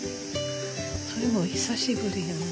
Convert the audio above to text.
それも久しぶりやな。